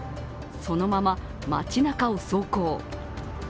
そのまま、街なかを走行。